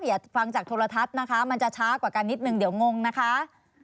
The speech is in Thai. ฟังจากโทรทัศน์นะคะมันจะช้ากว่ากันนิดนึงเดี๋ยวงงนะคะ